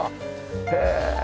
へえ！